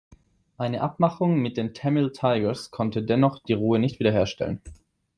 Eine Abmachung mit den "Tamil Tigers" konnte dennoch die Ruhe nicht wiederherstellen.